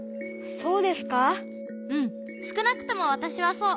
そう。